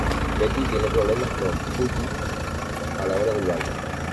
Betty tiene problemas con Pudgy a la hora del baño.